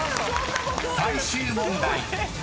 ［最終問題］